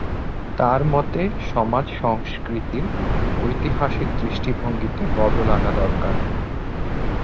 তার মতে সমাজ সংস্কৃতির ঐতিহাসিক দৃষ্টিভঙ্গিতে বদল আনা দরকার।